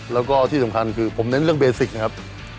แล้วก็ที่สำคัญคือผมเน้นเรื่องเบสิกนะครับ